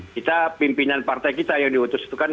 kita pimpinan partai kita yang diutus itu kan memang tim kecilnya